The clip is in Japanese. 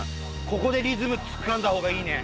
ここでリズムつかんだ方がいいね。